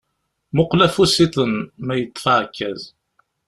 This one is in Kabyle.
Muqel afus-iḍen ma yeṭṭef aɛekkaz.